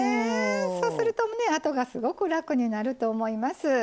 そうするとあとがすごく楽になると思います。